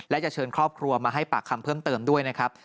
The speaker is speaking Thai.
และจะเชิญครอบครัวมาให้ปากคำเพิ่มเติมด้วยนะครับ